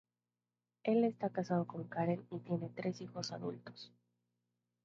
Él está casado con Karen y tienen tres hijos adultos.